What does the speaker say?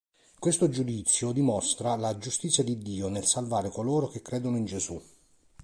Questo giudizio dimostra la giustizia di Dio nel salvare coloro che credono in Gesù.